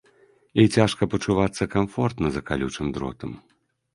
І цяжка пачувацца камфортна за калючым дротам.